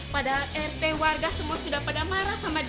padahal rt warga semua sudah pada marah sama dia